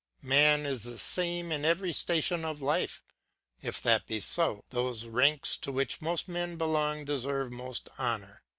Man is the same in every station of life; if that be so, those ranks to which most men belong deserve most honour.